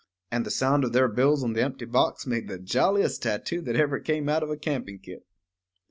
And the sound of their bills on the empty box made the jolliest tattoo that ever came out of a camping kit.